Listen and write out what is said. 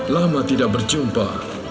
lama tidak berjumpa